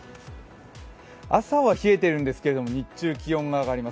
朝は冷えているんですけれども、日中は気温が上がります。